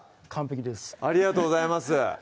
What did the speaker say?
完璧ですありがとうございます